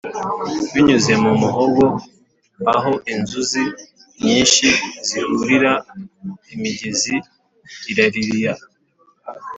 binyuze mu muhogo aho inzuzi nyinshi zihurira, imigezi irarira,